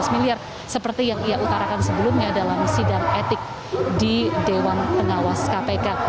lima belas miliar seperti yang ia utarakan sebelumnya dalam sidang etik di dewan pengawas kpk